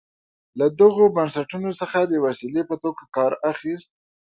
له دغو بنسټونو څخه د وسیلې په توګه کار اخیست.